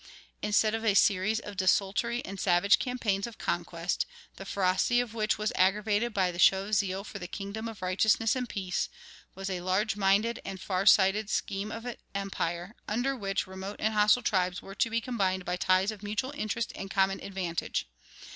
Instead of a series of desultory and savage campaigns of conquest, the ferocity of which was aggravated by the show of zeal for the kingdom of righteousness and peace, was a large minded and far sighted scheme of empire, under which remote and hostile tribes were to be combined by ties of mutual interest and common advantage.